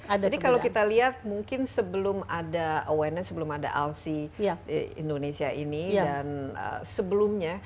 jadi kalau kita lihat mungkin sebelum ada awareness sebelum ada alsi di indonesia ini dan sebelumnya